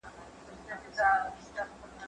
زه هره ورځ سیر کوم؟